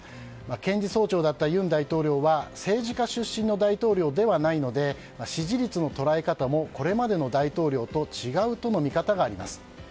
検事総長だった尹大統領は政治家出身の大統領ではないので支持率の捉え方もこれまでの大統領と違うとの見方があります。